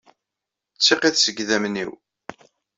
D tiqit seg yidammen-inu.